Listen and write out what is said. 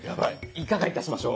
いかがいたしましょう？